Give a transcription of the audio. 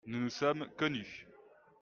Nous, nous sommes connus.